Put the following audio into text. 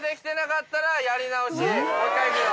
もう１回いくよ